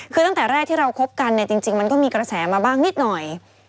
คือตั้งแต่แรกที่เราคบกันเนี่ยจริงมันก็มีกระแสมาบ้างนิดหน่อย